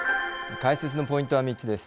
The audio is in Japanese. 解説のポイントは３つです。